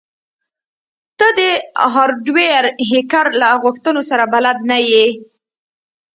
ته د هارډویر هیکر له غوښتنو سره بلد نه یې